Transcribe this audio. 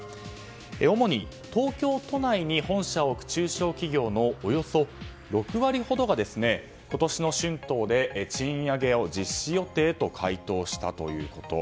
主に東京都内に本社を置く中小企業のおよそ６割ほどが今年の春闘で賃上げを実施予定と回答したということ。